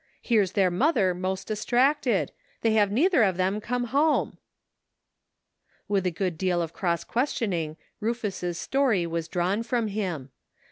Here's their mother most dis tracted; they have neither of them come home." With a good deal of cross questioning Rufus' story was drawn from him.